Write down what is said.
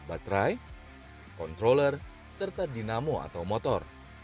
baterai controller serta dinamo atau motor